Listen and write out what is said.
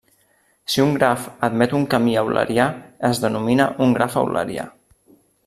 Si un graf admet un camí eulerià, es denomina graf eulerià.